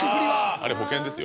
あれ保険ですよ。